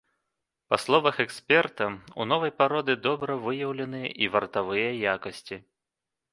Па словах эксперта, у новай пароды добра выяўленыя і вартавыя якасці.